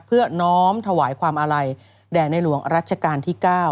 น้อมถวายความอาลัยแด่ในหลวงรัชกาลที่๙